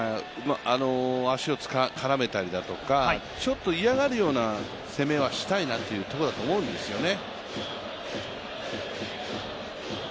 足を絡めたりだとか、ちょっと嫌がるような攻めはしたいなというところだと思うんですよね。